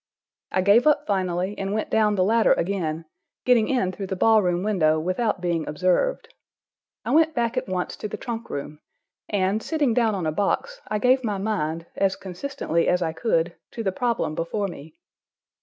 I gave up finally and went down the ladder again, getting in through the ball room window without being observed. I went back at once to the trunk room, and, sitting down on a box, I gave my mind, as consistently as I could, to the problem before me.